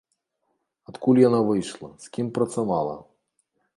Адкуль яна выйшла, кім працавала?